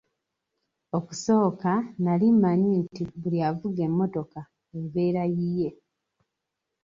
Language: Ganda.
Okusooka nali mmanyi nti buli avuga emmotoka ebeera yiye.